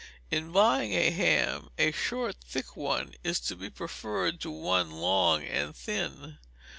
In buying a ham, a short thick one is to be preferred to one long and thin.